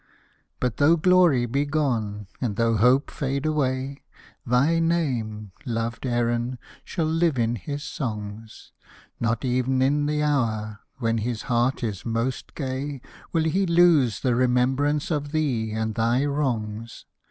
But tho' glory be gone, and tho' hope fade away, Thy name, loved Erin, shall live in his songs ; Not ev'n in the hour, when his heart is most gay. Will he lose the remembrance of thee and thy wrongs.